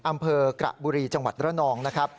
อำเภอกระบุรีจังหวัดระนองนะครับ